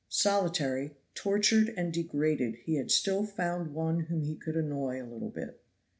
Solitary, tortured and degraded, he had still found one whom he could annoy a little bit.